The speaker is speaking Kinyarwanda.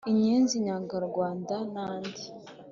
Inyenzi inyangarwanda Nandi.